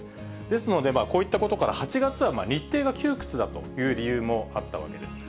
ですので、こういったことから、８月は日程が窮屈だという理由もあったわけです。